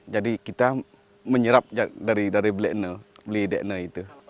jadi kita menyerap dari beli dekno itu